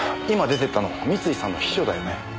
今出てったの三井さんの秘書だよね？